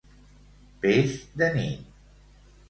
Peix de nit.